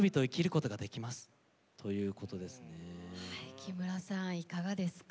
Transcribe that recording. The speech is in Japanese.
木村さん、いかがですか？